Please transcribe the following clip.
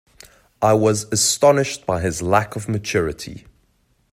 I was astonished by his lack of maturity